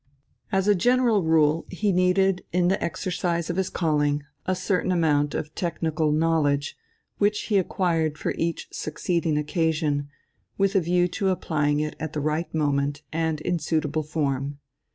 As a general rule he needed in the exercise of his calling a certain amount of technical knowledge, which he acquired for each succeeding occasion, with a view to applying it at the right moment and in suitable form.